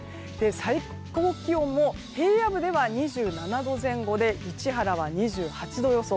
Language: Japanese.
最高気温も平野部では２７度前後で市原は２８度予想。